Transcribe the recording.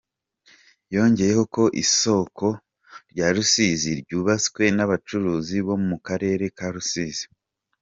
Yongeyeho ko isoko rya Rusizi ryubatswe n’abacuruzi bo mu karere ka Rusizi.